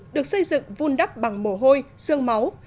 được xây dựng vun đắp bằng mồ hôi sương máu